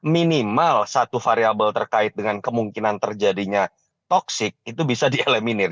minimal satu variable terkait dengan kemungkinan terjadinya toxic itu bisa dieleminir